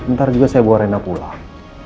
ntar juga saya bawa rena pulang